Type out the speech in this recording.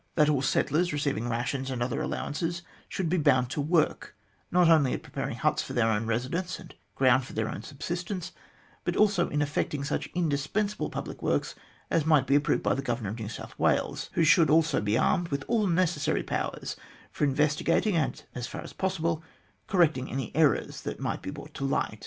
That all settlers receiving rations and other allowances should be bound to work, not only at preparing huts for their own residence, and ground for their own subsistence, but also in effecting such indispensable public works as might be approved by the Governor of New South Wales, who should also be armed with all necessary powers for investigating, and, as far as possible, correcting any errors that might be brought to light.